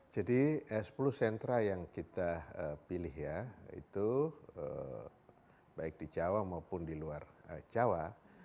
jadi sepuluh sentra yang kita pilih ya itu baik di jawa maupun di luar jawa